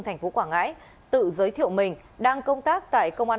thành phố quảng ngãi tự giới thiệu mình đang công tác tại công an